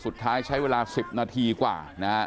สุดท้ายใช้เวลา๑๐นาทีกว่า